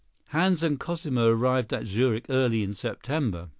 Hans and Cosima arrived at Zurich early in September.